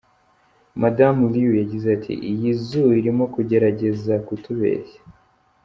Madamu Liu yagize ati "Iyi zoo irimo kugerageza kutubeshya.